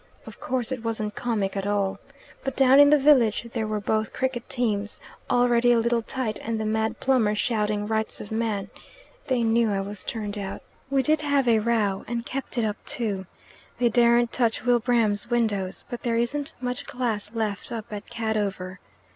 Of course it wasn't comic at all. But down in the village there were both cricket teams, already a little tight, and the mad plumber shouting 'Rights of Man!' They knew I was turned out. We did have a row, and kept it up too. They daren't touch Wilbraham's windows, but there isn't much glass left up at Cadover.